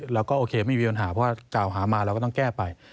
เราก็โอเคไม่มีปัญหาเพราะว่ากล่าวหามาเราก็ต้องแก้ไป